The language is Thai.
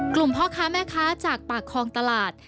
พ่อค้าแม่ค้าจากปากคลองตลาด